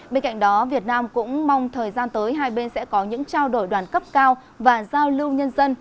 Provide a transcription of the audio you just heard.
bên cạnh đó việt nam cũng mong thời gian tới hai bên sẽ có những trao đổi đoàn cấp cao và giao lưu nhân dân